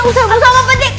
pak deh eh eh eh